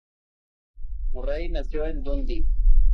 Murray nació en Dundee.